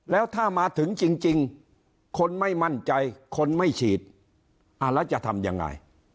แล้วถ้ามาถึงจริงคนไม่มั่นใจคนไม่ฉีดแล้วจะทำยังไง